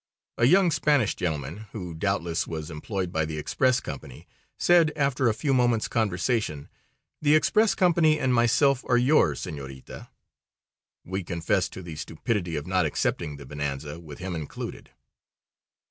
A young Spanish gentleman who, doubtless, was employed by the express company, said, after a few moments' conversation, "The express company and myself are yours, senorita." We confess to the stupidity of not accepting the bonanza, with him included.